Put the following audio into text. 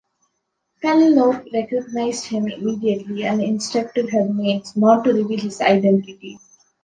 Penelope recognised him immediately and instructed her maids not to reveal his identity.